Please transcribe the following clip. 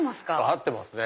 合ってますね。